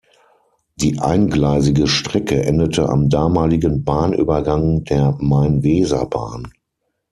Die eingleisige Strecke endete am damaligen Bahnübergang der Main-Weser-Bahn.